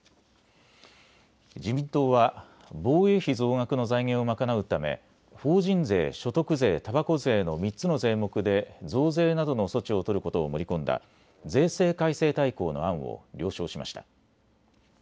自民党は防衛費増額の財源を賄うため法人税、所得税、たばこ税の３つの税目で増税などの措置を取ることを盛り込んだ税制改正大綱の案を了承しました。